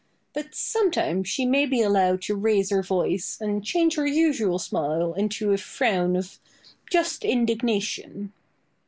But sometimes she may be allowed to raise her voice, and change her usual smile into a frown of just indignation.